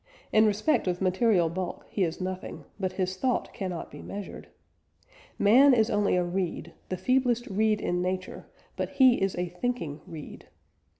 In respect of material bulk he is nothing, but his thought cannot be measured. "Man is only a reed, the feeblest reed in nature, but he is a thinking reed."